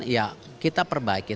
ya kita perbaiki